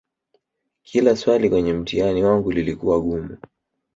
kila swali kwenye mtihani wangu lilikuwa gumu